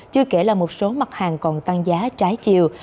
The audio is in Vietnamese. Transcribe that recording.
chưa kể là một số mặt hàng còn tăng giá trái chiều